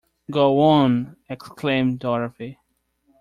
"Go on," exclaimed Dorothy.